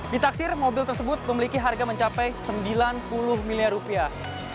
ditaksir mobil tersebut memiliki harga mencapai sembilan puluh miliar rupiah